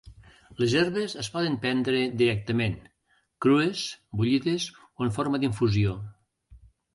Les herbes es poden prendre directament, crues, bullides o en forma d'infusió.